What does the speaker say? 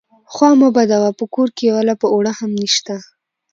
_خوا مه بدوه، په کور کې يوه لپه اوړه هم نشته.